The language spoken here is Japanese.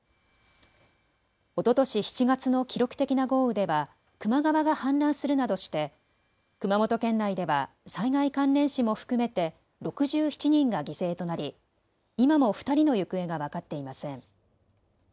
おととし７月の記録的な豪雨では球磨川が氾濫するなどして熊本県内では災害関連死も含めて６７人が犠牲となり今も２人の行方が分かっていません。